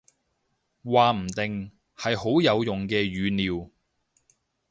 話唔定，係好有用嘅語料